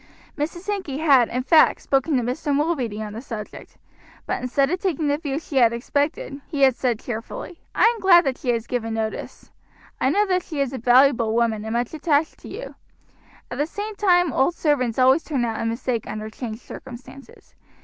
Mrs. Sankey had, in fact, spoken to Mr. Mulready on the subject, but instead of taking the view she had expected, he had said cheerfully: "I am glad that she has given notice. I know that she is a valuable woman and much attached to you. At the same time these old servants always turn out a mistake under changed circumstances.